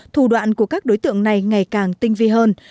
thủ đoạn của các đối tượng này ngày càng tinh vi hơn